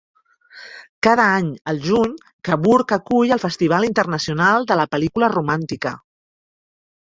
Cada any, al juny, Cabourg acull el "Festival Internacional de la Pel·lícula Romàntica".